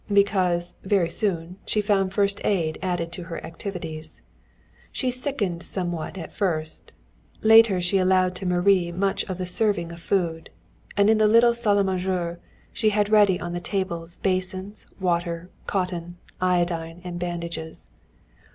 Because, very soon, she found first aid added to her activities. She sickened somewhat at first. Later she allowed to Marie much of the serving of food, and in the little salle à manger she had ready on the table basins, water, cotton, iodine and bandages.